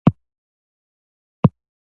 د منځنیو پېړیو په هند کې زندان نه و.